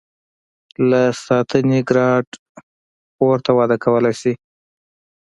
له سانتي ګراد پورته وده کولای شي.